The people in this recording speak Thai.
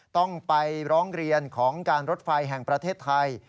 ต้องไปร้องเรียนของการรถไฟแห่งประเทศไทย